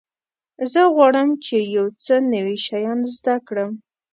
زه غواړم چې یو څه نوي شیان زده کړم.